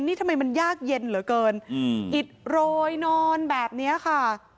นี่ทำไมมันยากเย็นเหลือเกินอิดโรยนอนแบบนี้ค่ะ